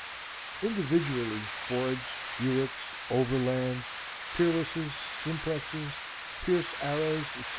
Individually Fords, Buicks, Overlands, Peerlesses, Simplexes, Pierce Arrows, etc.